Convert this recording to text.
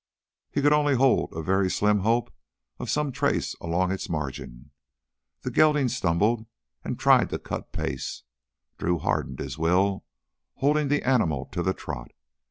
He could only hold a very slim hope of some trace along its margin. The gelding stumbled and tried to cut pace. Drew hardened his will, holding the animal to the trot.